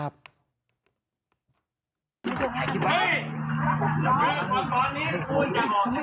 เดี๋ยวเฮ้ยขอโทษ